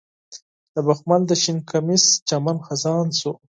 د بخمل د شین کمیس چمن خزان شو